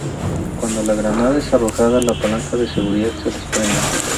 Cuando la granada es arrojada, la palanca de seguridad se desprende.